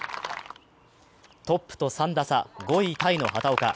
トップと３打差、５位タイの畑岡。